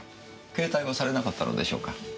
携帯はされなかったのでしょうか？